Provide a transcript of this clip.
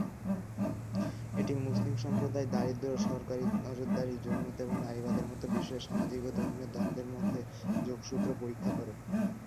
এটি মুসলিম সম্প্রদায়, দারিদ্র্য, সরকারী নজরদারি, যৌনতা এবং নারীবাদের মতো বিষয়ে সামাজিক ও ধর্মীয় দ্বন্দ্বের মধ্যে যোগসূত্র পরীক্ষা করে।